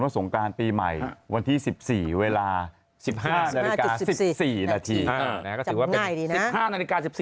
วันที่ส่งการปีใหม่วันที่๑๔เวลา๑๕นาฬิกา๑๔นาทีว่าฝ่ายนานศพ